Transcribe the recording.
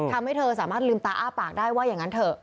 ทำให้เธอสามารถลืมตาอ้าปากได้ว่าอย่างนั้นเถอะ